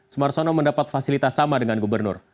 semar sono mendapat fasilitas sama dengan gubernur